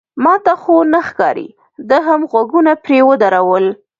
ما ته خو نه ښکاري، ده هم غوږونه پرې ودرول.